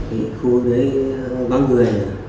vì khu đấy bắn người